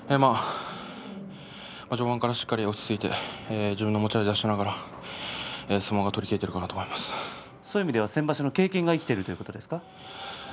序盤からしっかり落ち着いて自分の持ち味を出しながら相撲が取りきれているかなと先場所の経験が生きているということですか？